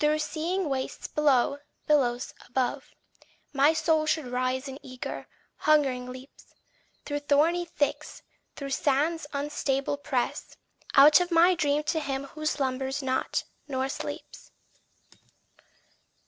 Through seething wastes below, billows above, My soul should rise in eager, hungering leaps; Through thorny thicks, through sands unstable press Out of my dream to him who slumbers not nor sleeps.